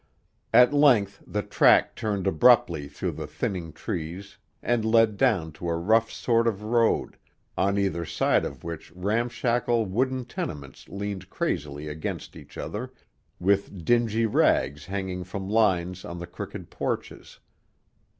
At length the track turned abruptly through the thinning trees and led down to a rough sort of road, on either side of which ramshackle wooden tenements leaned crazily against each other, with dingy rags hanging from lines on the crooked porches.